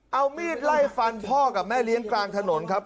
เอามีดไล่ฟันพ่อกับแม่เลี้ยงกลางถนนครับ